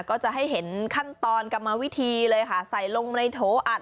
ก็จะให้เห็นขั้นตอนกรรมวิธีเลยค่ะใส่ลงในโถอัด